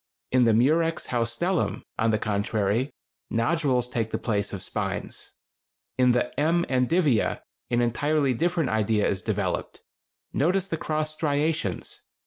In the Murex haustellum, on the contrary, nodules take the place of spines. In the M. endivia an entirely different idea is developed. Notice the cross striations.